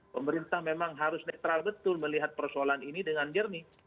pemerintah memang harus netral betul melihat persoalan ini dengan jernih